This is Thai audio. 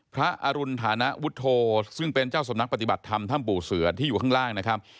อรุณฐานวุฒโธซึ่งเป็นเจ้าสำนักปฏิบัติธรรมถ้ำปู่เสือที่อยู่ข้างล่างนะครับ